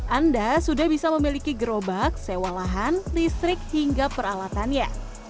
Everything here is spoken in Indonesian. anda sudah bisa memiliki gerobak sewa lahan listrik hingga peralatannya